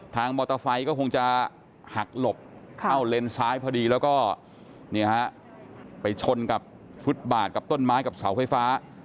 มอเตอร์ไซค์ก็คงจะหักหลบเข้าเลนซ้ายพอดีแล้วก็ไปชนกับฟุตบาทกับต้นไม้กับเสาไฟฟ้า